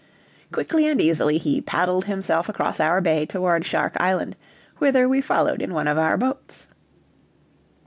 Quickly and easily he paddled himself across the bay toward Shark Island, whither we followed in one of our boats.